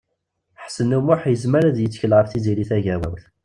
Ḥsen U Muḥ yezmer ad yettkel ɣef Tiziri Tagawawt.